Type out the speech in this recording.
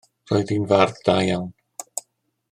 Roedd hi'n fardd da iawn.